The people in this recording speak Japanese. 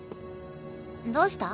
どうした？